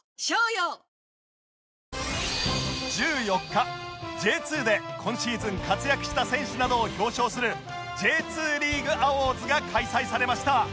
１４日 Ｊ２ で今シーズン活躍した選手などを表彰する Ｊ２ リーグアウォーズが開催されました